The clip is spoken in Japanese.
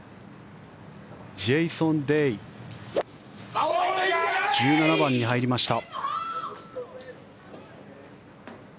ジェイソン・デイ１７番に入りました。